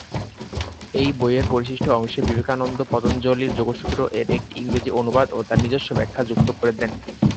এই বইয়ের পরিশিষ্ট অংশে বিবেকানন্দ পতঞ্জলির "যোগসূত্র"-এর একটি ইংরেজি অনুবাদ ও তার নিজস্ব ব্যাখ্যা যুক্ত করে দেন।